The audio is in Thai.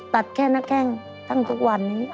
แค่หน้าแข้งทั้งทุกวันนี้